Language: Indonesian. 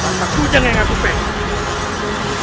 tanpa tujang yang aku pengen